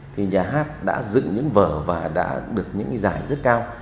thì nhà hát đã dựng những vở và đã được những giải rất cao